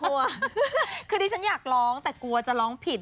เพราะกันให้ฉันอยากร้องแต่ตาจะร้องผิด